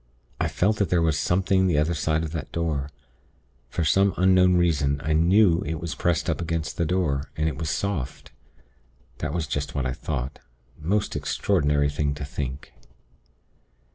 I felt that there was something the other side of that door. For some unknown reason I knew it was pressed up against the door, and it was soft. That was just what I thought. Most extraordinary thing to think.